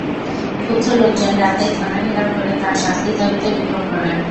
ক্ষুব্ধ লোকজন রাতেই থানা ঘেরাও করে তাঁর শাস্তির দাবিতে বিক্ষোভ করে।